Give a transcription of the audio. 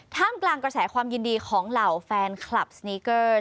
กลางกระแสความยินดีของเหล่าแฟนคลับสนีเกอร์